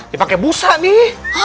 ya pakai busa nih